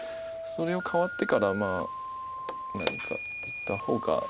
それを換わってから何か打った方が。